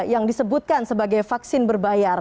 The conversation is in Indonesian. yang disebutkan sebagai vaksin berbayar